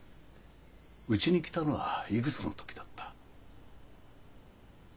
うちに来たのはいくつの時だった？